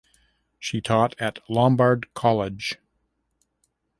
She taught at Lombard Collage.